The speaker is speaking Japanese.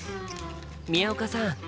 宮岡さん